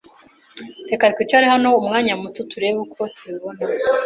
Reka twicare hano umwanya muto turebe uko tubibona.